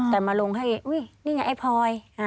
แต่มาลงให้อุ้ยนี่ไงไอ้พลอย